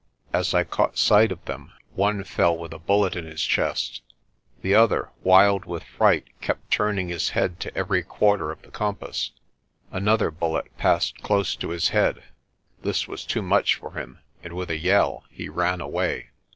As I caught sight of them one fell with a bullet in his chest. The other, wild with fright, kept turning his head to every quarter of the compass. Another bullet passed close to his head. This was too much for him and with a yell he ran away.